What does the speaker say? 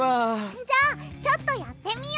じゃあちょっとやってみよう！